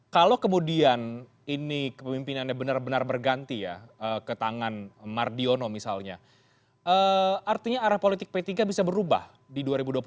kalau kemudian ini kepemimpinannya benar benar berganti ya ke tangan mardiono misalnya artinya arah politik p tiga bisa berubah di dua ribu dua puluh empat